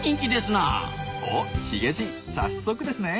おヒゲじい早速ですね。